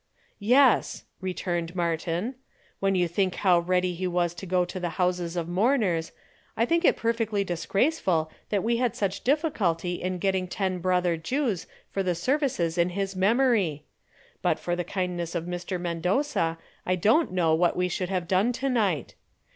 "Yes," returned Martin, "when you think how ready he was to go to the houses of mourners, I think it perfectly disgraceful that we had such difficulty in getting together ten brother Jews for the services in his memory. But for the kindness of Mr. Mendoza I don't know what we should have done to night.